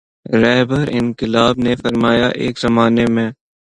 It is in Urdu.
رہبرانقلاب نے فرمایا ایک زمانے میں